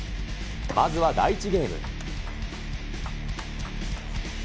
まずは第１ゲーム。